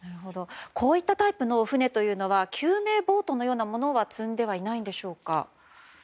こういったタイプの船というのは救命ボートは積んではいないんでしょうか？